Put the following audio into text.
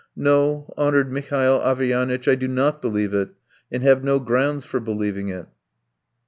"No, honoured Mihail Averyanitch; I do not believe it, and have no grounds for believing it."